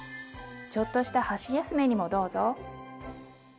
ちょっとした箸休めにもどうぞ。